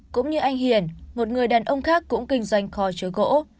cũng như anh hiền một người đàn ông khác cũng kinh doanh kho chứa gỗ